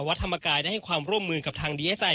วัดธรรมกายได้ให้ความร่วมมือกับทางดีเอสไอ